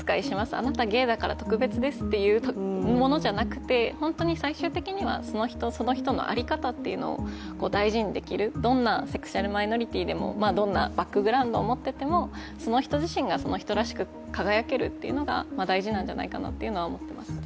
あなたゲイだから特別ですってものでなくて本当に最終的には、その人その人の在り方というものを大事にできる、どんなセクシャルマイノリティーでもどんなバックグラウンドを持っててもその人自身がその人らしく輝けるというのが大事なんじゃないかと思ってます。